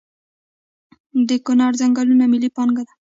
د کنړ ځنګلونه ملي پانګه ده؟